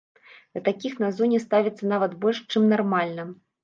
Да такіх на зоне ставяцца нават больш чым нармальна.